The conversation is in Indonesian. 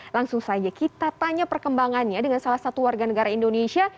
langsung saja kita tanya perkembangannya dengan salah satu warga negara indonesia